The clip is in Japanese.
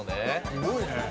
すごいね。